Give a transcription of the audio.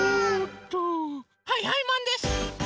はいはいマンです！